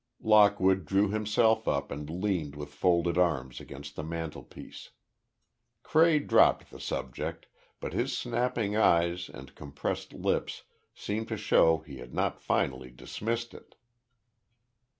Lockwood drew himself up and leaned with folded arms against the mantelpiece. Cray dropped the subject, but his snapping eyes and compressed lips seemed to show he had not finally dismissed it.